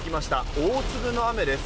大粒の雨です。